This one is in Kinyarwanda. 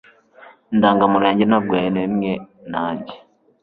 indangamuntu yanjye ntabwo yaremwe nanjye